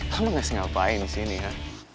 kamu ngasih ngapain disini ya